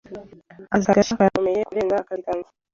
Akazi kanjye gashya karakomeye kurenza akazi kanjye.